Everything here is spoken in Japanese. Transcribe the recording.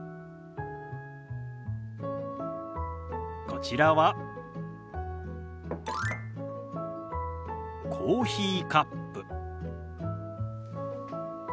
こちらはコーヒーカップ。